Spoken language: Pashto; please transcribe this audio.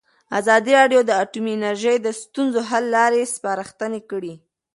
ازادي راډیو د اټومي انرژي د ستونزو حل لارې سپارښتنې کړي.